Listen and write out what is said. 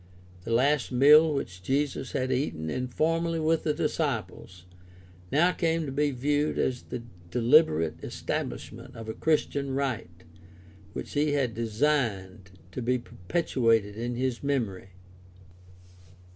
The last meal which Jesus had eaten informally with the disciples now came to be viewed as the dehberate estabHshment of a Chris tian rite which he had designed to be perpetuated in his memory (Luke 22:19; I Cor.